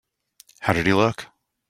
How did he look?